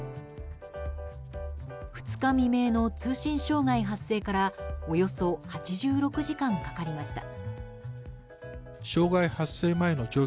２日未明の通信障害発生からおよそ８６時間かかりました。